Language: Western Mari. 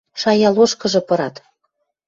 Шая лошкыжы пырат.